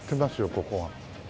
ここは。